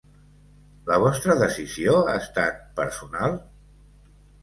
La vostra decisió ha estat personal?